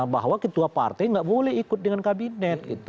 bahwa ketua partai nggak boleh ikut dengan kabinet